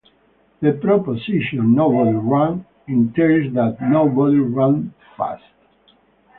The proposition "Nobody ran" entails that "Nobody ran fast".